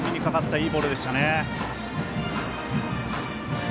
いいボールでした。